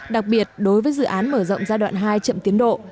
đặc biệt đối với dự án mở rộng giai đoạn hai chậm tiến độ